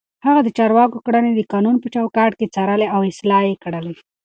هغه د چارواکو کړنې د قانون په چوکاټ کې څارلې او اصلاح يې کړې.